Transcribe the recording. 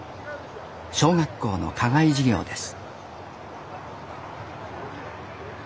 小学校の課外授業です